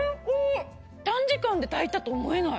短時間で炊いたと思えない。